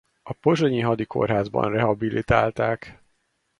A pozsonyi hadikórházban rehabilitálták.